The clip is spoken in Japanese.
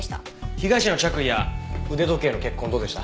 被害者の着衣や腕時計の血痕どうでした？